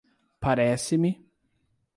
Parece-me